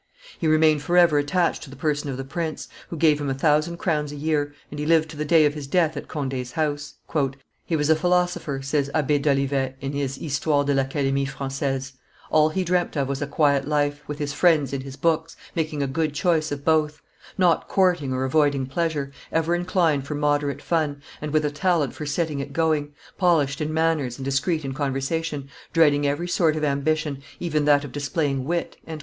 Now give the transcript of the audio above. He remained forever attached to the person of the prince, who gave him a thousand crowns a year, and he lived to the day of his death at Conde's house. "He was a philosopher," says Abbe d'Olivet in his Histoire de l'Academie Francaise; "all he dreamt of was a quiet life, with his friends and his books, making a good choice of both; not courting or avoiding pleasure; ever inclined for moderate fun, and with a talent for setting it going; polished in manners, and discreet in conversation; dreading every sort of ambition, even that of displaying wit."